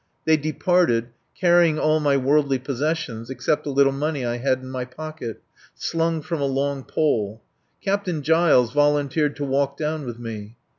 They departed, carrying all my worldly possessions (except a little money I had in my pocket) slung from a long pole. Captain Giles volunteered to walk down with me.